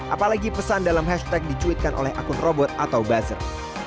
apalagi pesan dalam hashtag dicuitkan oleh akun robot atau buzzer